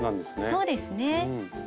そうですね。